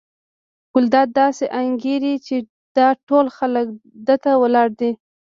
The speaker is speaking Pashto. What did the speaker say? ګلداد داسې انګېري چې دا ټول خلک ده ته ولاړ دي.